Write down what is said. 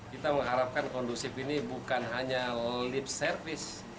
kita mengharapkan kondusif ini bukan hanya lip service